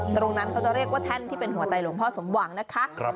ตรงนั้นเขาจะเรียกว่าแท่นที่เป็นหัวใจหลวงพ่อสมหวังนะคะ